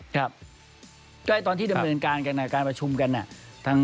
ครับใกล้ตอนที่ดำเนินการกันการประชุมกัน